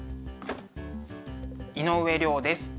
井上涼です。